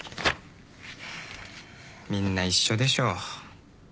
みんな一緒でしょ。